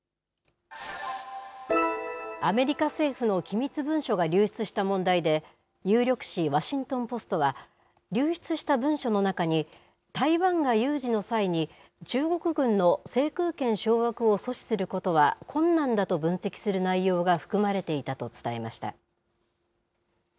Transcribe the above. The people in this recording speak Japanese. アメリカ政府の機密文書が流出した問題で、有力紙、ワシントン・ポストは、流出した文書の中に、台湾が有事の際に、中国軍の制空権掌握を阻止することは困難だと分析する内容が含まれていたと伝えました。